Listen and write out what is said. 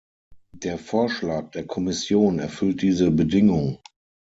Der Vorschlag der Kommission erfüllt diese Bedingung.